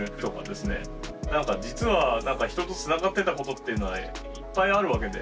何か実は人とつながってたことっていうのはいっぱいあるわけで。